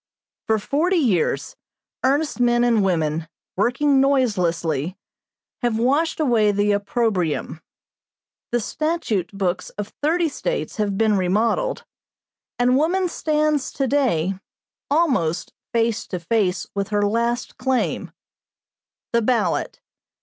For forty years earnest men and women, working noiselessly, have washed away the opprobrium, the statute books of thirty States have been remodeled, and woman stands, to day, almost face to face with her last claim the ballot.